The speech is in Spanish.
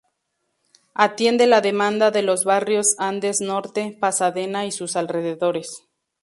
Atiende la demanda de los barrios Andes Norte, Pasadena y sus alrededores.